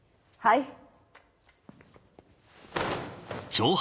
はい。